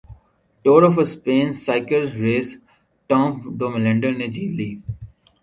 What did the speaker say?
tour of Spain cycle race Tom Dumoulin نے جیت لی